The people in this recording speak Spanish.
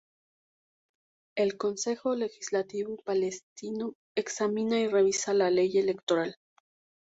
El Consejo Legislativo palestino examina y revisa la ley electoral.